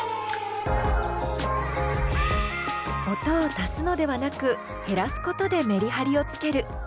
音を足すのではなく減らすことでメリハリをつける。